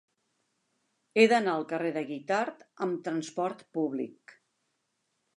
He d'anar al carrer de Guitard amb trasport públic.